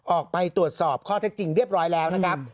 ออกไปตรวจสอบข้อเท็จจริงเรียบร้อยแล้วนะครับ